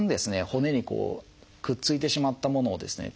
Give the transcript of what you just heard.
骨にこうくっついてしまったものをですね